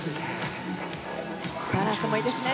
バランスもいいですね。